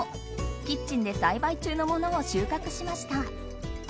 キッチンで栽培中のものを収穫しました。